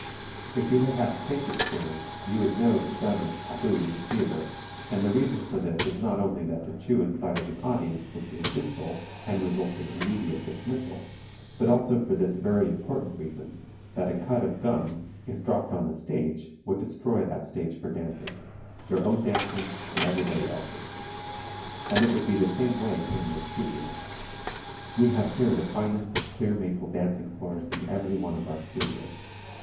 If you had had stage experience you would know that gum is taboo in the theatre, and the reason for this is not only that to chew in sight of an audience would be an insult and result in immediate dismissal, but also for this very important reason, that a cud of gum if dropped on the stage would destroy that stage for dancing your own dancing and everybody else's. And it would be the same way here in the studio. We have here the finest of clear maple dancing floors in every one of our studios.